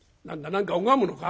何か拝むのか？」。